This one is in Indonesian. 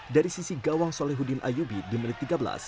dari sisi gawang solehudin ayubi di menit tiga belas